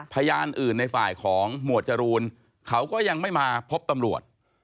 พยานอื่นในฝ่ายของหมวดจรูนเขาก็ยังไม่มาพบตำรวจ